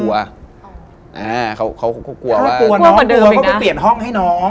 อเจมส์เขากลัวว่าเขาจะเปลี่ยนห้องให้น้อง